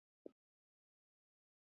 许仕仁是香港赛马会会员等。